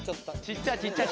ちっちゃい。